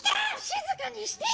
静かにして！